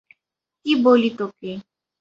কি বলি তোকে?